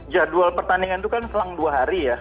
jadwal pertandingan itu kan selang dua hari ya